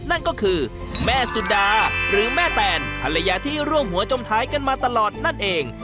นั่นก็คือแม่สุดาหรือแม่แตนภรรยาที่ร่วมหัวจมท้ายกันมาตลอดนั่นเอง